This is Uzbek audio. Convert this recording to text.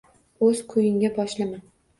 O’z ko’yingga boshlama.